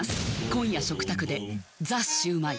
今夜食卓で「ザ★シュウマイ」